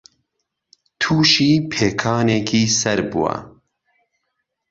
تووشی پێکانێکی سەر بوو